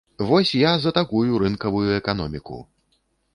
Вось я за такую рынкавую эканоміку!